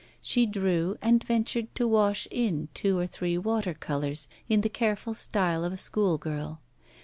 She drew and ventured to wash in two or three water colours in the careful style of a school girl.